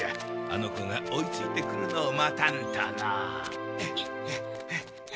あの子が追いついてくるのを待たんとの。